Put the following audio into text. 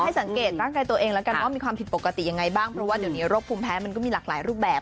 สังเกตร่างกายตัวเองแล้วกันว่ามีความผิดปกติยังไงบ้างเพราะว่าเดี๋ยวนี้โรคภูมิแพ้มันก็มีหลากหลายรูปแบบ